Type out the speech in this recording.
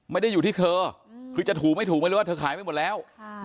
ไม่ได้อยู่ที่เธอคือจะถูกไม่ถูกไม่รู้ว่าเธอขายไปหมดแล้ว